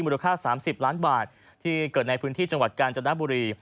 มูลค่า๓๐ล้านบาทที่เกิดในพื้นที่จังหวัดกาญจนบุรี